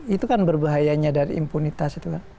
itu kan berbahayanya dari impunitas